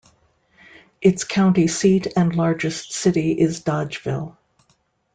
Its county seat and largest city is Dodgeville.